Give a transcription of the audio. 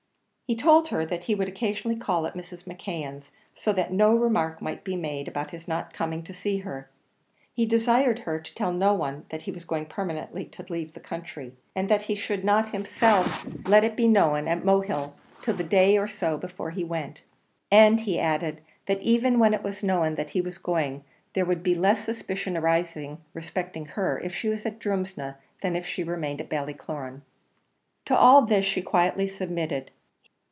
He told her that he would occasionally call at Mrs. McKeon's, so that no remark might be made about his not coming to see her; he desired her to tell no one that he was going permanently to leave the country, and that he should not himself let it be known at Mohill till the day or so before he went; and he added that even when it was known that he was going, there would be less suspicion arising respecting her, if she was at Drumsna, than if she remained at Ballycloran. To all this she quietly submitted.